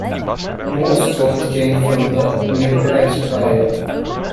Most scouts came from the Nez Perce tribe.